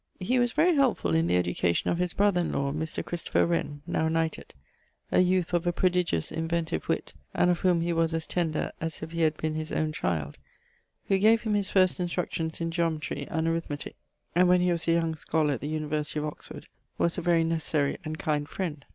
He was very helpfull in the education of his brother in law, Mr. Christopher Wren (now knighted), a youth of a prodigious inventive witt, and of whom he was as tender as if he had been his owne child, who gave him his first instructions in geometrie and arithmetique, and when he was a young scholar at the University of Oxford, was a very necessary and kind friend.